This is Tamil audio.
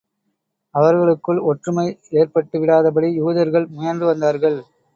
அவர்களுக்குள் ஒற்றுமை ஏற்பட்டு விடாதபடி, யூதர்கள் முயன்று வந்தார்கள்.